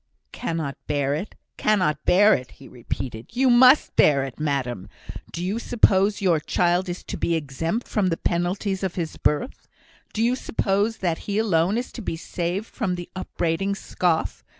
"Cannot bear it! cannot bear it!" he repeated. "You must bear it, madam. Do you suppose your child is to be exempt from the penalties of his birth? Do you suppose that he alone is to be saved from the upbraiding scoff?